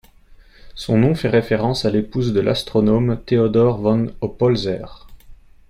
Son nom fait référence à l'épouse de l'astronome Theodor von Oppolzer.